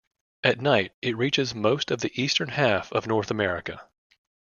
At night, it reaches most of the eastern half of North America.